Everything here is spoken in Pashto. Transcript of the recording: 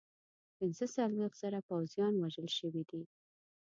پنځه څلوېښت زره پوځیان وژل شوي دي.